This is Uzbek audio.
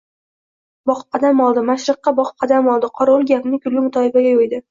boqib qadam oldi. Mashriqqa boqib qadam oldi. Qorovul gapni kulgi-mutoyibaga yo‘ydi.